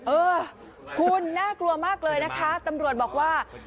เออคุณน่ากลัวมากเลยนะคะตำรวจบอกว่า